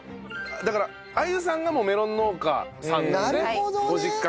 だから安優さんがもうメロン農家さんでご実家が。